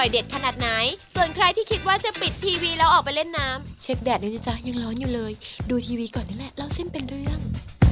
ดูทีวีก่อนหนึ่งแหละเล่าเส้นเป็นเรื่อง